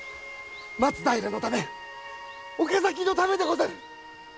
松平のため岡崎のためでござる！